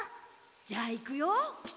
じゃあいくよ。